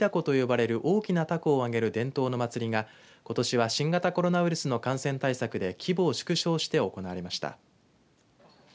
凧と呼ばれる大きなたこを揚げる伝統の祭りがことしは新型コロナウイルスの感染対策で規模を縮小して行われました。